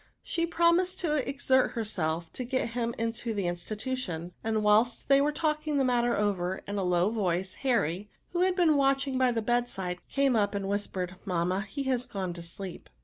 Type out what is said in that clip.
She promised to exert herself to get him into the Institution ; and whilst they were talking the matter over, in a low voice, Harry, who had been watching by the bed side, came up and whispered, '^ Mamma, he is gone to sleep."